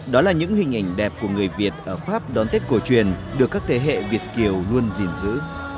đó là những hình ảnh đẹp của người việt ở pháp đón tết cổ truyền được các thế hệ việt kiều luôn gìn giữ